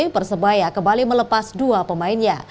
persebaya kembali melepas dua pemainnya